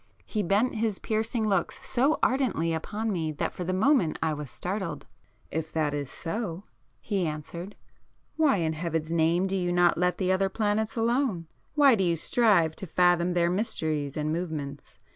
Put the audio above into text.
He bent his piercing looks so ardently upon me that for the moment I was startled. "If that is so," he answered, "why in Heaven's name do you not let the other planets alone? Why do you strive to fathom their mysteries and movements?